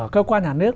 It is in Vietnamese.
cơ quan nhà nước